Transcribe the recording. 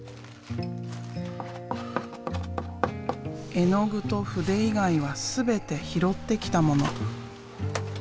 絵の具と筆以外は全て拾ってきたもの。